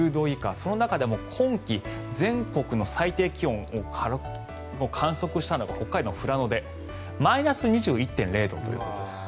その中でも今季全国の最低気温を観測したのが北海道の富良野でマイナス２１．０度ということで。